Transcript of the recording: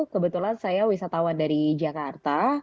kebetulan saya wisatawan dari jakarta